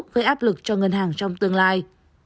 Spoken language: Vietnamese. với áp lực cho ngân hàng trong tương lai